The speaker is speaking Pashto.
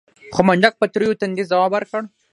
خو منډک په تريو تندي ځواب ورکړ.